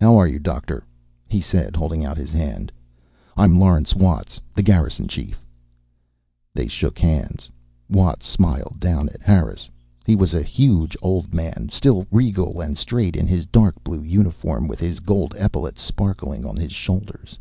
"How are you, Doctor?" he said, holding his hand out. "I'm Lawrence Watts, the Garrison Chief." They shook hands. Watts smiled down at Harris. He was a huge old man, still regal and straight in his dark blue uniform, with his gold epaulets sparkling on his shoulders.